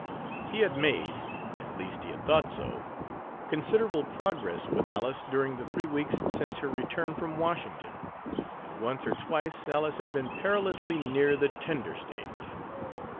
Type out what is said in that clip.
He had made at least he had thought so considerable progress with Alice during the three weeks since her return from Washington, and once or twice Alice had been perilously near the tender stage.